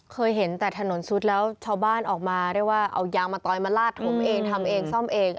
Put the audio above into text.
เคยเห็นแต่ถนนซุดแล้วชาวบ้านออกมาเรียกว่าเอายางมะตอยมาลาดผมเองทำเองซ่อมเอง